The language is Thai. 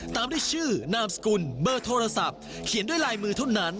ตามด้วยชื่อนามสกุลเบอร์โทรศัพท์เขียนด้วยลายมือเท่านั้น